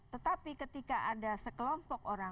tetapi ketika ada sekelompok orang